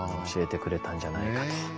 教えてくれたんじゃないかと。